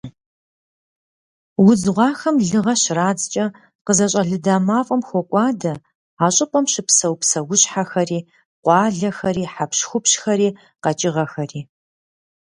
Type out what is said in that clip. Удз гъуахэм лыгъэ щрадзкӀэ, къызэщӀэлыда мафӀэм хокӀуадэ а щӀыпӀэм щыпсэу псэущхьэхэри, къуалэхэри, хьэпщхупщхэри, къэкӏыгъэхэри.